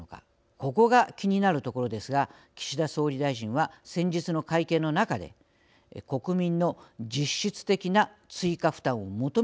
ここが気になるところですが岸田総理大臣は先日の会見の中で「国民の実質的な追加負担を求めない」と述べました。